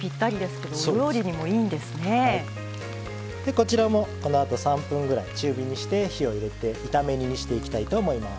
こちらもこのあと３分ぐらい中火にして火を入れて炒め煮にしていきたいと思います。